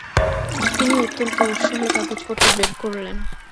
তিনি অত্যন্ত উৎসাহে কাগজপত্র বের করলেন।